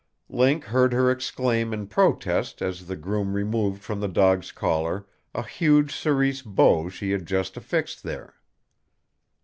Link heard her exclaim in protest as the groom removed from the dog's collar a huge cerise bow she had just affixed there.